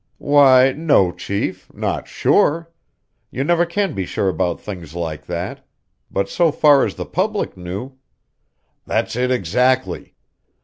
"Why, no, chief; not sure. You never can be sure about things like that; but so far as the public knew " "That's it, exactly.